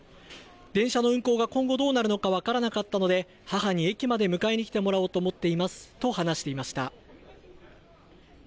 電車の運行が今後どうなるのか分からなかったので母に駅まで迎えに来てもらおうと思っていますと話していました。